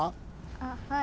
あっはい。